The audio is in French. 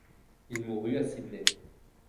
Il mourut à Sydney.